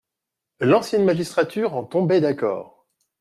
L'ancienne magistrature en tombait d'accord.